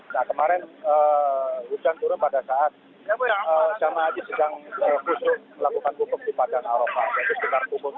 nah kemarin hujan turun pada saat jemaah haji sedang khusus melakukan hukum